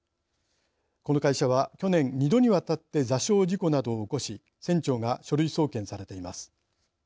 この会社は去年２度にわたって座礁事故などを起こし船長が書類送検されています。